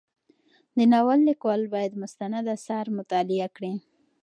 د ناول لیکوال باید مستند اثار مطالعه کړي.